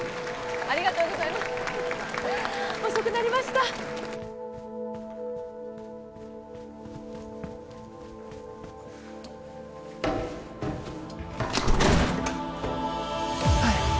ありがとうございます遅くなりましたハイ！